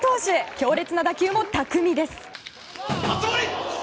強烈な打球も巧みです。